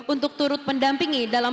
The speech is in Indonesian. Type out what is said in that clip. untuk turut mendampingi dalam